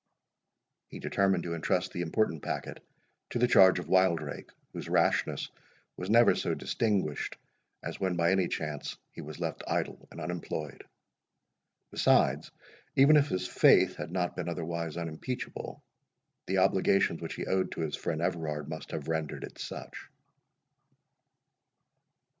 He determined to intrust the important packet to the charge of Wildrake, whose rashness was never so distinguished, as when by any chance he was left idle and unemployed; besides, even if his faith had not been otherwise unimpeachable, the obligations which he owed to his friend Everard must have rendered it such.